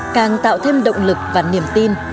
càng tạo thêm động lực và niềm tin